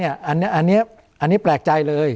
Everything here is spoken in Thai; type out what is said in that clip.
อันนี้แปลกใจเลย